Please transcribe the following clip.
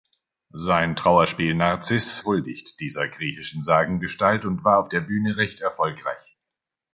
Sein Trauerspiel "Narziß" huldigt dieser griechischen Sagengestalt und war auf der Bühne recht erfolgreich.